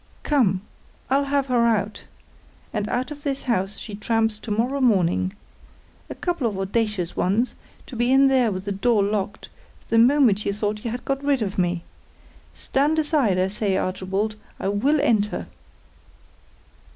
"Come; I'll have her out. And out of this house she tramps to morrow morning. A couple of audacious ones, to be in there with the door locked, the moment you thought you had got rid of me! Stand aside, I say, Archibald, I will enter."